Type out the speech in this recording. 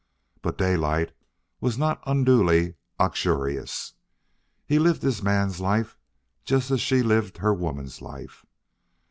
But Daylight was not unduly uxorious. He lived his man's life just as she lived her woman's life.